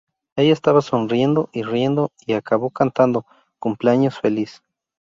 Ella estaba sonriendo y riendo y acabó cantando "Cumpleaños Feliz".